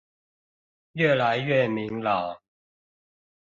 越來越明朗